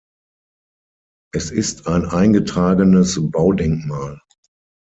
Es ist ein eingetragenes Baudenkmal.